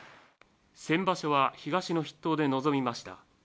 先場所は東の筆頭で臨みました。